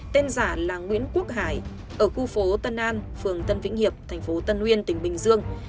tên giả là nguyễn quốc hải ở khu phố tân an phường tân vĩnh hiệp tp tân nguyên tp bình dương